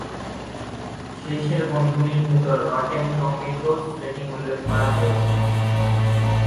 শেষের বন্ধনীর ভেতর রটেন টম্যাটোস রেটিং উল্লেখ করা হয়েছে।